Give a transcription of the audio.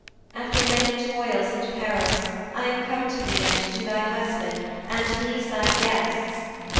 After many toils and perils I am come to thee and to thy husband, and to these, thy guests!